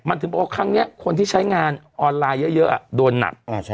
มันถึงบอกว่าครั้งนี้คนที่ใช้งานออนไลน์เยอะโดนหนัก